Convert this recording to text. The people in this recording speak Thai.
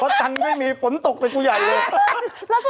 เพราะตั้งไม่มีฝนตกไปกูใหญ่เลย